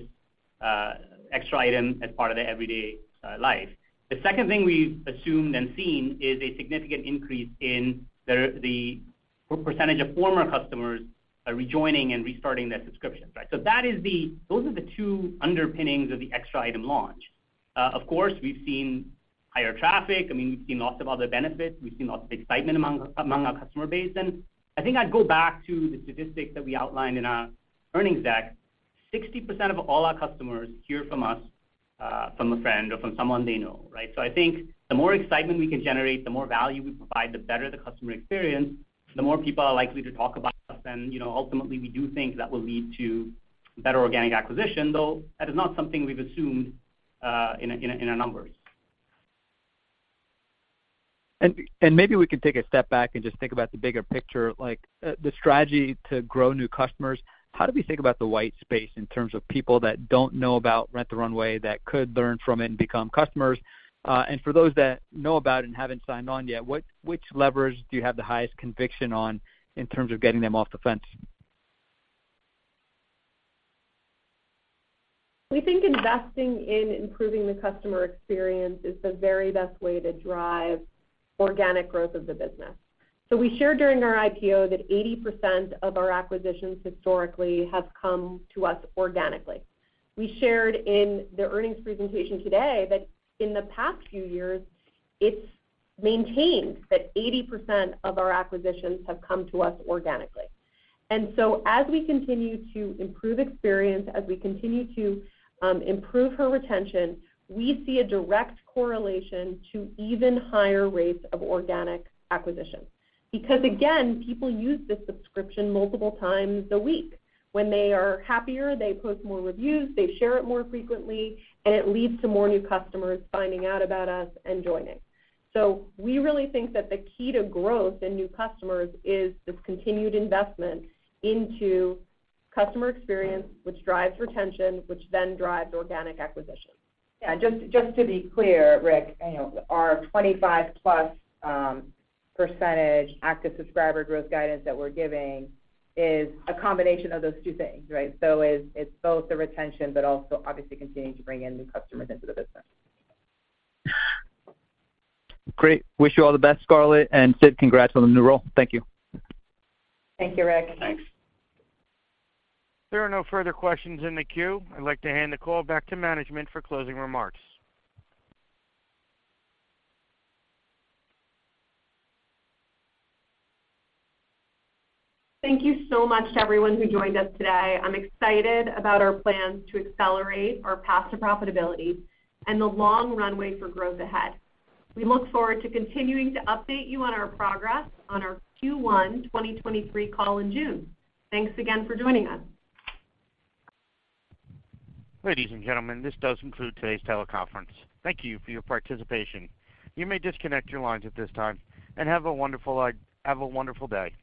extra item as part of their everyday life. The second thing we've assumed and seen is a significant increase in the percentage of former customers rejoining and restarting their subscriptions, right? Those are the two underpinnings of the extra item launch. Of course, we've seen higher traffic. I mean, we've seen lots of other benefits. We've seen lots of excitement among our customer base. I think I'd go back to the statistics that we outlined in our earnings deck. 60% of all our customers hear from us from a friend or from someone they know, right? I think the more excitement we can generate, the more value we provide, the better the customer experience, the more people are likely to talk about us then. You know, ultimately, we do think that will lead to better organic acquisition, though that is not something we've assumed, in our numbers. Maybe we can take a step back and just think about the bigger picture, like, the strategy to grow new customers. How do we think about the white space in terms of people that don't know about Rent the Runway that could learn from it and become customers? For those that know about it and haven't signed on yet, which levers do you have the highest conviction on in terms of getting them off the fence? We think investing in improving the customer experience is the very best way to drive organic growth of the business. We shared during our IPO that 80% of our acquisitions historically have come to us organically. We shared in the earnings presentation today that in the past few years, it's maintained that 80% of our acquisitions have come to us organically. As we continue to improve experience, as we continue to improve her retention, we see a direct correlation to even higher rates of organic acquisition. Again, people use this subscription multiple times a week. When they are happier, they post more reviews, they share it more frequently, and it leads to more new customers finding out about us and joining. We really think that the key to growth in new customers is this continued investment into customer experience, which drives retention, which then drives organic acquisition. Yeah, just to be clear, Rick, you know, our 25% plus active subscriber growth guidance that we're giving is a combination of those two things, right? It's both the retention, but also obviously continuing to bring in new customers into the business. Great. Wish you all the best, Scarlett, and Sid, congrats on the new role. Thank you. Thank you, Rick. Thanks. There are no further questions in the queue. I'd like to hand the call back to management for closing remarks. Thank you so much to everyone who joined us today. I'm excited about our plans to accelerate our path to profitability and the long runway for growth ahead. We look forward to continuing to update you on our progress on our Q1 2023 call in June. Thanks again for joining us. Ladies and gentlemen, this does conclude today's teleconference. Thank you for your participation. You may disconnect your lines at this time, and have a wonderful, have a wonderful day.